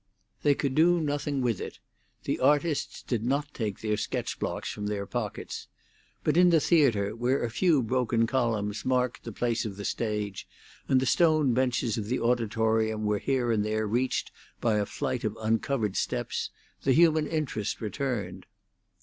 They could do nothing with it; the artists did not take their sketch blocks from their pockets. But in the theatre, where a few broken columns marked the place of the stage, and the stone benches of the auditorium were here and there reached by a flight of uncovered steps, the human interest returned.